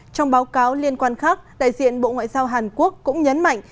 trong báo cáo liên quan khác đại diện bộ ngoại giao hàn quốc cũng nhấn mạnh